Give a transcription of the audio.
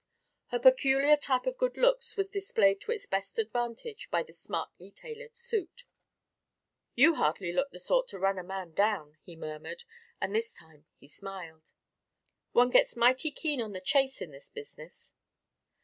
Her peculiar type of good looks was displayed to its best advantage by the smartly tailored suit. "You hardly look the sort to run a man down," he murmured, and this time he smiled. "One gets mighty keen on the chase in this business."